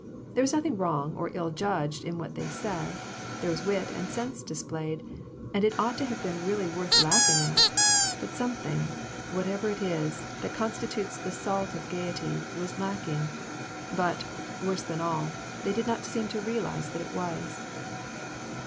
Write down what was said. There was nothing wrong or ill judged in what they said ; there was wit and sense displayed, and it ought to have been really worth laughing at, but something, whatever it is, that constitutes the salt of gayety, was lacking; but, worse than all, they did not seem to realize that it was.